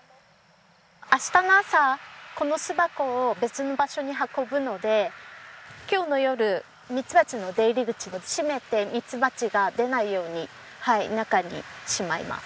明日の朝この巣箱を別の場所に運ぶので今日の夜ミツバチの出入り口を閉めてミツバチが出ないように中にしまいます。